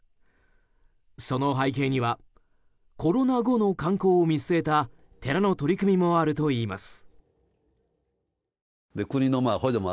その背景にはコロナ後の観光を見据えた寺の取り組みもあるといいます。